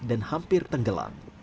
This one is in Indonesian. dan hampir tenggelam